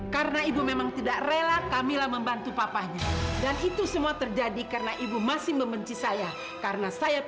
karena kalian ini tamu di rumah saya